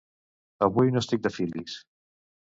Avui no estic de filis.